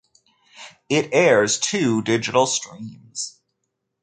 It airs two digital streams.